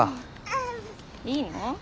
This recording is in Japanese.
いいの？